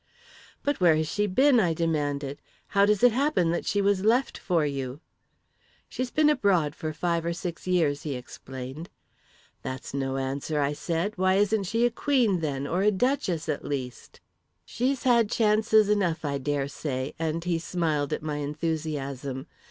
"'But where has she been?' I demanded. 'How does it happen she was left for you?' "'She's been abroad for five or six years,' he explained. "'That's no answer,' I said. 'Why isn't she a queen, then; or a duchess, at least?' "'She's had chances enough, I dare say,' and he smiled at my enthusiasm.